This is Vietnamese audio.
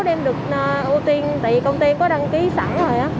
để em được ưu tiên tại vì công ty em có đăng ký sẵn rồi á